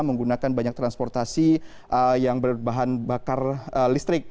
menggunakan banyak transportasi yang berbahan bakar listrik